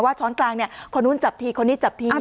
ช้อนกลางเนี่ยคนนู้นจับทีคนนี้จับที